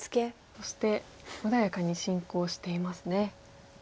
そして穏やかに進行していますね。